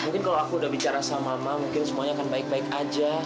mungkin kalau aku udah bicara sama mama mungkin semuanya akan baik baik aja